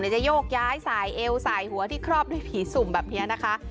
จะโยกย้ายสายเอวสายหัวที่ครอบด้วยผีสุ่มแบบนี้นะคะ